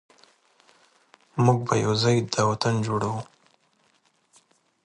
موږ به یو ځای دا وطن جوړوو.